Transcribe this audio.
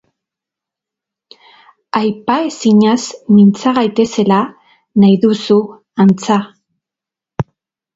Aipaezinaz mintza gaitezela nahi duzu, antza.